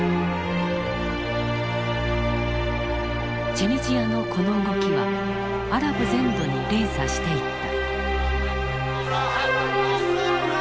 チュニジアのこの動きはアラブ全土に連鎖していった。